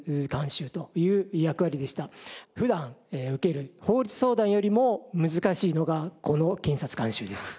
普段受ける法律相談よりも難しいのがこの検察監修です。